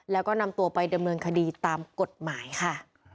แล้วก็นำตัวไปดำเนินคดีตามกฎหมายค่ะ